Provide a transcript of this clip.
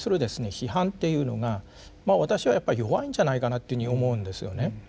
批判っていうのが私はやっぱり弱いんじゃないかなというふうに思うんですよね。